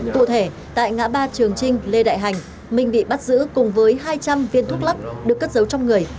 cụ thể tại ngã ba trường trinh lê đại hành minh bị bắt giữ cùng với hai trăm linh viên thuốc lắc được cất giấu trong người